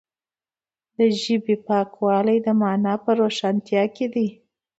د ژبې پاکوالی د معنا په روښانتیا کې دی.